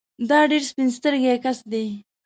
دا ډېر سپين سترګی کس دی